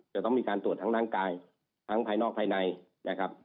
จะต้องมีการตรวจทั้งร่างกายทั้งภายนอกภายในนะครับ